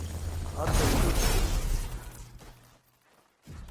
Арбаӷь ҿырҭуан.